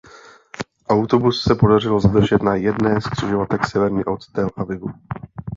Autobus se podařilo zadržet na jedné z křižovatek severně od Tel Avivu.